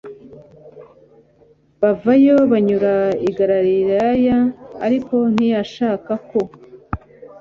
bavayo banyura i galilaya ariko ntiyashaka ko